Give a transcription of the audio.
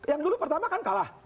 yang dulu pertama kan kalah